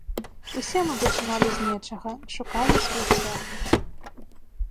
Усе мы пачыналі з нечага, шукалі свой шлях.